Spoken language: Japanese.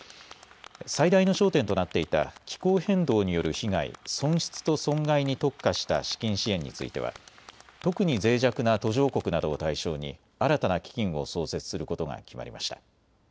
最大の焦点となっていた気候変動による被害、損失と損害に特化した資金支援については特にぜい弱な途上国などを対象に新たな基金を創設することが決まりました。